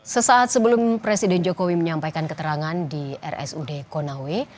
sesaat sebelum presiden jokowi menyampaikan keterangan di rsud konawe